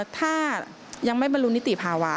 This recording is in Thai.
ถ้ายังไม่บรรลุนิติภาวะ